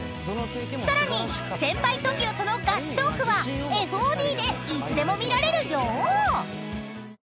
［さらに先輩ＴＯＫＩＯとのガチトークはＦＯＤでいつでも見られるよ］